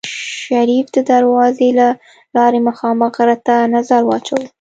شريف د دروازې له لارې مخامخ غره ته نظر واچوه.